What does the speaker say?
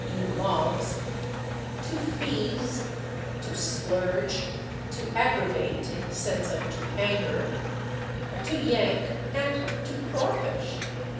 e./, logs), /to feaze/, /to splurge/, /to aggravate/ (in the sense of to anger), /to yank/ and /to crawfish